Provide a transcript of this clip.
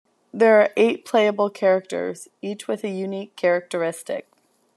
There are eight playable characters, each with a unique characteristic.